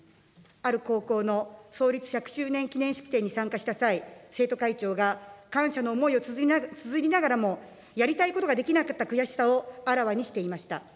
ある高校の創立１００周年記念式典に参加した際、生徒会長が感謝の思いをつづりながらもやりたいことができなかった悔しさをあらわにしていました。